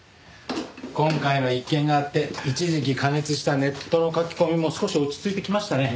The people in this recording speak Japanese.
今回の一件があって一時期過熱したネットの書き込みも少し落ち着いてきましたね。